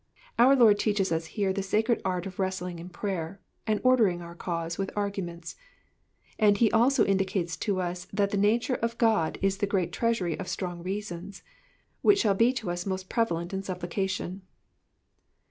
Our Lord teaches us here the sacred art of wrestling in prayer, and ordering our cause with arguments ; and he also indi cates to us that the nature of God is the great treasury of strong reasons, which shall be to us most prevalent in supplication.